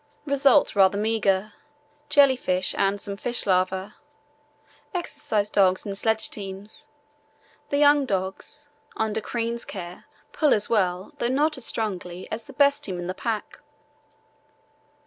Result rather meagre—jelly fish and some fish larvæ. Exercise dogs in sledge teams. The young dogs, under Crean's care, pull as well, though not so strongly, as the best team in the pack.